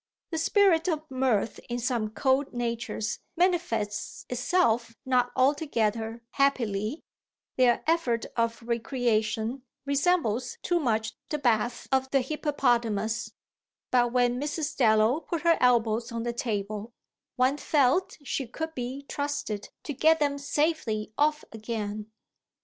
The spirit of mirth in some cold natures manifests itself not altogether happily, their effort of recreation resembles too much the bath of the hippopotamus; but when Mrs. Dallow put her elbows on the table one felt she could be trusted to get them safely off again.